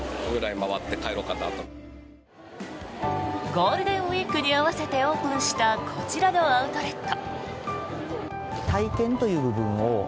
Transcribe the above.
ゴールデンウィークに合わせてオープンしたこちらのアウトレット。